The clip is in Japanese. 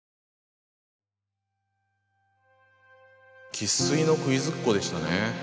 生っ粋のクイズっ子でしたね。